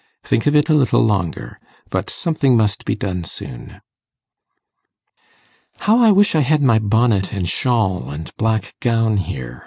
Think of it a little longer. But something must be done soon.' 'How I wish I had my bonnet, and shawl, and black gown here!